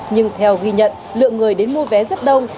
nhưng theo ghi nhận lượng người đến mua vé rất đông